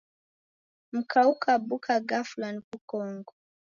Mka ukabuka gafwa ni w'ukongo?